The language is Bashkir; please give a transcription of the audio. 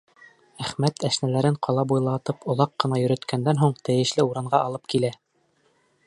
Әхмәт әшнәләрен ҡала буйлатып оҙаҡ ҡына йөрөткәндән һуң, тейешле урынға алып килә.